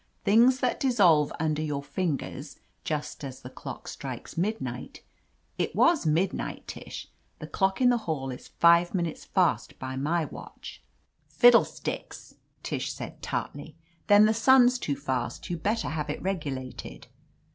Things that dissolve under your fin gers, just as the clock strikes midnight — it was midnight, Tish. The clock in the hall is five minutes fast by my watch." "Fiddlesticks !" Tish said tartly. "Then the sun's too fast; you'd better have it regulated.